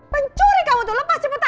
pencuri kamu tuh lepas cepetan